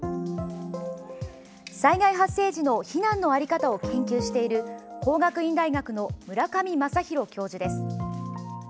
災害発生時の避難の在り方を研究している工学院大学の村上正浩教授です。